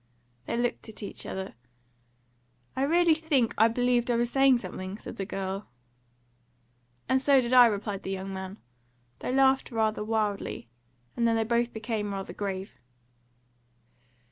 They looked at each other. "I really think I believed I was saying something," said the girl. "And so did I," replied the young man. They laughed rather wildly, and then they both became rather grave.